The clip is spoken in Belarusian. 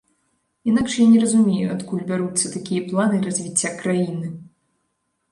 Інакш я не разумею, адкуль бяруцца такія планы развіцця краіны.